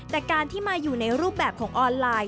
แต่การที่มาอยู่ในรูปแบบของออนไลน์